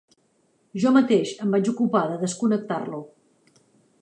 Jo mateix em vaig ocupar de desconnectar-lo.